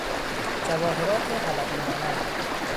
جواهرات حلبی مانند